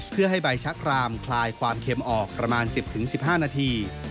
เพื่อให้ใบชักรามคลายความเค็มออกประมาณ๑๐๑๕นาที